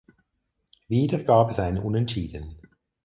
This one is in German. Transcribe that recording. Wieder gab es ein Unentschieden.